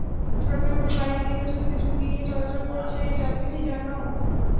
সড়কের ওপর পানির তীব্র স্রোতে ঝুঁকি নিয়ে চলাচল করছে যাত্রীবাহী যানবাহন।